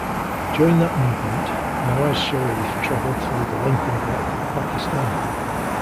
During that movement, Nawaz Sharif travelled through the length and breadth of Pakistan.